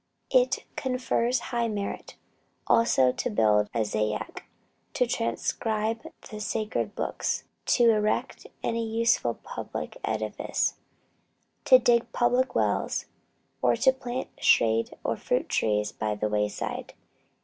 It confers high merit, also, to build a zayat, to transcribe the sacred books, to erect any useful public edifice, to dig public wells, or to plant shade or fruit trees by the wayside.